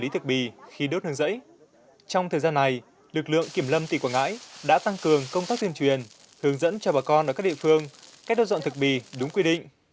trong thời gian này lực lượng kiểm lâm tỉnh quảng ngãi đã tăng cường công tác tuyên truyền hướng dẫn cho bà con ở các địa phương cách đốt dọn thực bì đúng quy định